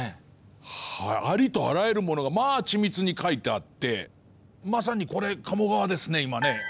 はい、ありとあらゆるものがまあ、緻密に描いてあってまさにこれ、鴨川ですね、今ね。